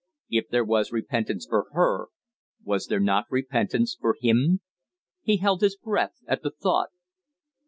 If there was repentance for her, was there not repentance for him? He held his breath at the thought.